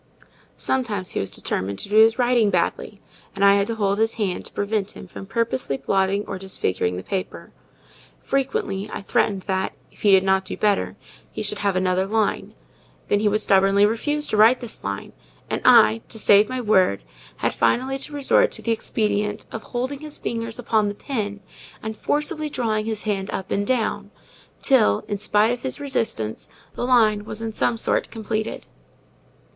Sometimes he was determined to do his writing badly; and I had to hold his hand to prevent him from purposely blotting or disfiguring the paper. Frequently I threatened that, if he did not do better, he should have another line: then he would stubbornly refuse to write this line; and I, to save my word, had finally to resort to the expedient of holding his fingers upon the pen, and forcibly drawing his hand up and down, till, in spite of his resistance, the line was in some sort completed.